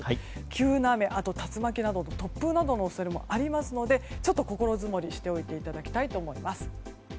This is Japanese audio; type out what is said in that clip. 急な雨、あと竜巻などの突風などの恐れもありますのでちょっと心づもりしておいていただきたいと思います。